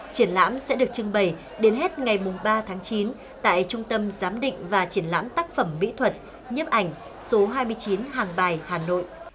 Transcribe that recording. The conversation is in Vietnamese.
triển lãm sẽ được trưng bày đến hết ngày ba tháng chín tại trung tâm giám định và triển lãm tác phẩm mỹ thuật nhếp ảnh số hai mươi chín hàng bài hà nội